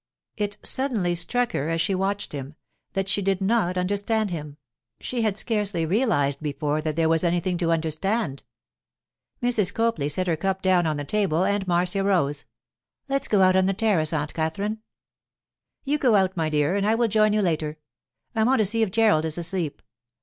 It suddenly struck her, as she watched him, that she did not understand him; she had scarcely realized before that there was anything to understand. Mrs. Copley set her cup down on the table, and Marcia rose. 'Let's go out on the terrace, Aunt Katherine.' 'You go out, my dear, and I will join you later. I want to see if Gerald is asleep.